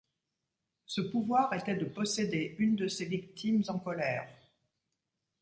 Ce pouvoir était de posséder une de ses victimes en colère.